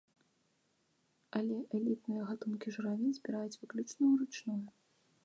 Але элітныя гатункі журавін збіраюць выключна ўручную.